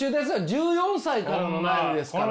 １４歳からの悩みですから。